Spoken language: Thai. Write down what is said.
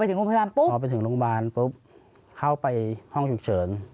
พอถึงโรงพยาบาลปุ๊บเข้าไปห้องฉุกเฉิน